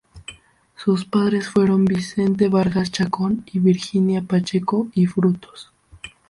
Sus padres fueron Vicente Vargas Chacón y Virginia Pacheco y Frutos.